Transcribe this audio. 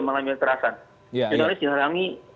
mengambil kekerasan jurnalis diharangi